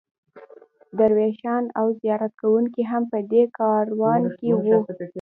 درویشان او زیارت کوونکي هم په دې کاروان کې وو.